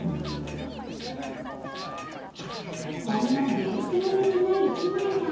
［こんな幻想的な一枚が］